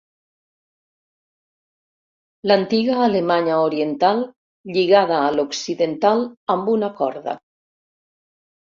L'antiga Alemanya Oriental, lligada a l'Occidental amb una corda.